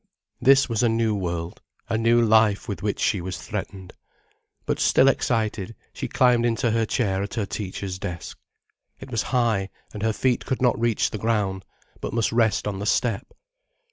This was a new world, a new life, with which she was threatened. But still excited, she climbed into her chair at her teacher's desk. It was high, and her feet could not reach the ground, but must rest on the step.